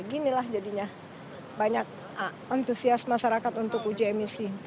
ginilah jadinya banyak antusias masyarakat untuk uji emisi